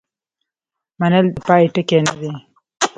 منل د پای ټکی نه دی.